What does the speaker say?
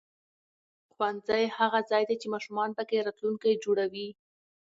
ښوونځی هغه ځای دی چې ماشومان پکې راتلونکی جوړوي